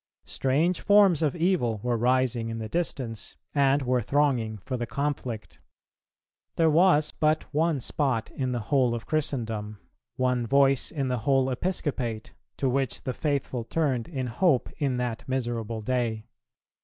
Strange forms of evil were rising in the distance and were thronging for the conflict. There was but one spot in the whole of Christendom, one voice in the whole Episcopate, to which the faithful turned in hope in that miserable day.